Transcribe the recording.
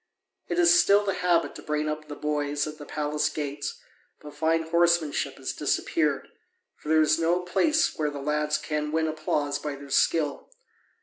It is still the habit to bring up the boys at the palace gates, but fine horsemanship has disappeared, for there is no place where the lads can win applause by their skill.